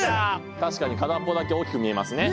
確かに片っぽだけ大きく見えますね。